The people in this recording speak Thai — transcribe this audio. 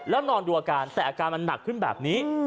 แล้วนอนดูอาการแต่อาการมันหนักขึ้นแบบนี้